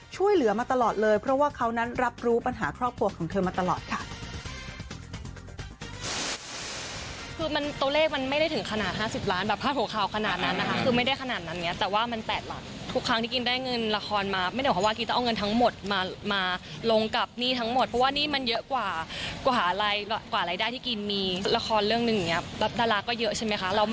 ช่วยเหลือมาตลอดเลยเพราะว่าเขานั้นรับรู้ปัญหาครอบครัวของเธอมาตลอดค่ะ